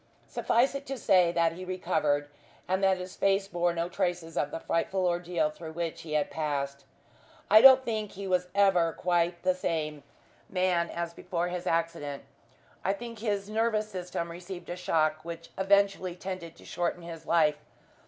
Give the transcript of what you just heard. Suffice it to say that he recovered, and that his face bore no traces of the frightful ordeal through which he had passed. I don't think he was ever quite the same man as before his accident. I think his nervous system received a shock which eventually tended to shorten his life.